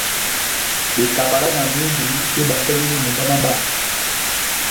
Bekabala na myudu mébapɛndini mumba má bato.